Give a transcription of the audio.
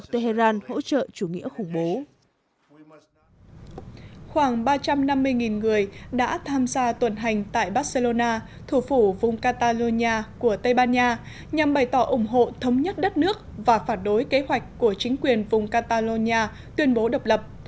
khoảng ba trăm năm mươi người đã tham gia tuần hành tại barcelona thủ phủ vùng catalonia của tây ban nha nhằm bày tỏ ủng hộ thống nhất đất nước và phản đối kế hoạch của chính quyền vùng catalonia tuyên bố độc lập